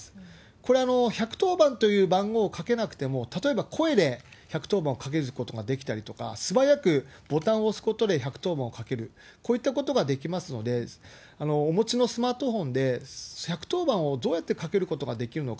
これ、１１０番という番号をかけなくても、例えば声で１１０番をかけることができたりとか、素早くボタンを押すことで１１０番をかける、こういったことができますので、お持ちのスマートフォンで１１０番をどうやってかけることができるのか。